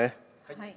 はい。